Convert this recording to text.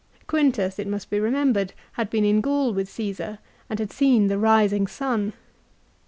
Quintus, it must be remembered, had been in Gaul with Caesar, and had seen the rising sun.